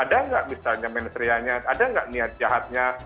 ada nggak misalnya mensrianya ada nggak niat jahatnya